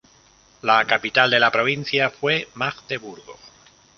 La capital de la provincia fue Magdeburgo.